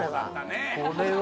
これは。